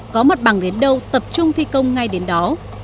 có mặt bằng đến đâu tập trung thi công ngay đến đó